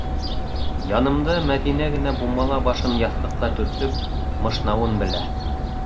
Янымда Мәҙинә генә бумала башын яҫтыҡҡа төртөп, мышнау ын белә.